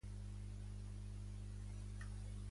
Ara venc!